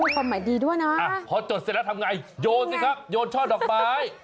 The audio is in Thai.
ความหมายดีด้วยนะพอจดเสร็จแล้วทำไงโยนสิครับโยนช่อดอกไม้